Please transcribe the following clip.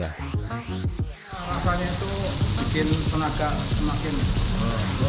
nah rasanya itu bikin tenaga semakin gede